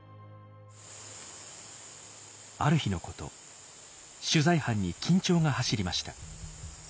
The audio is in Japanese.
ある日のこと取材班に緊張が走りました。